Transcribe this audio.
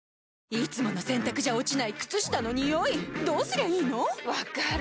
いつもの洗たくじゃ落ちない靴下のニオイどうすりゃいいの⁉分かる。